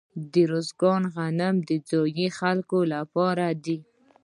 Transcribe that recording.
د ارزګان غنم د ځايي خلکو لپاره دي.